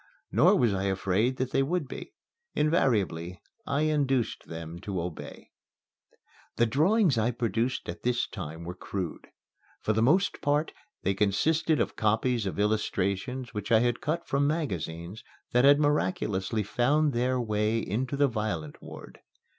Nor was I afraid that they would be. Invariably I induced them to obey. The drawings I produced at this time were crude. For the most part they consisted of copies of illustrations which I had cut from magazines that had miraculously found their way into the violent ward.